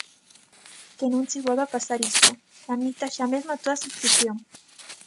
Que non che volva pasar isto: tramita xa mesmo a túa subscrición!